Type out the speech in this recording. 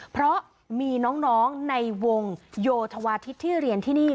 เพราะมีน้องในวงโยธวาทิศที่เรียนที่นี่